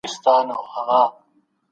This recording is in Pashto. فکر او عمل یې سره تړلي ول